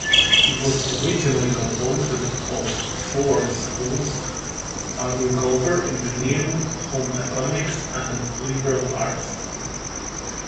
It was originally composed of four schools-Agriculture, Engineering, Home Economics, and Liberal Arts.